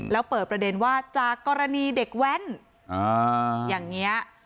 แล้วเปิดประเด็นว่าจากกรณีเด็กแว้นอย่างนี้